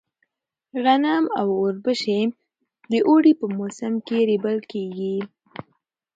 غنم او اوربشې د اوړي په موسم کې رېبل کيږي.